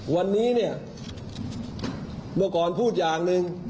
วันนี้เนี่ยเมื่อก่อนพูดอย่างหนึ่ง